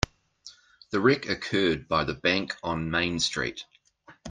The wreck occurred by the bank on Main Street.